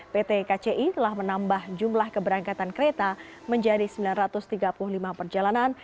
pt kci telah menambah jumlah keberangkatan kereta menjadi sembilan ratus tiga puluh lima perjalanan